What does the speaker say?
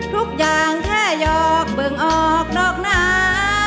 ทุกอย่างแค่หยอกเบิ่งออกนอกหนา